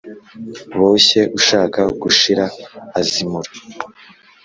Boshye ushaka gushira azimura